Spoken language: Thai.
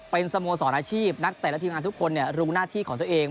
เป็นสโมสรอาชีพนักเตะและทีมงานทุกคนรู้หน้าที่ของตัวเอง